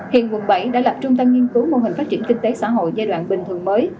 hiện quận bảy đã lập trung tâm nghiên cứu mô hình phát triển kinh tế xã hội giai đoạn bình thường mới